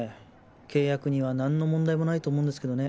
契約には何の問題もないと思うんですけどね。